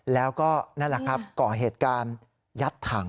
แล้วก็นั่นแหละครับก่อเหตุการณ์ยัดถัง